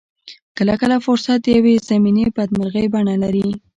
کله کله فرصت د يوې ضمني بدمرغۍ بڼه لري.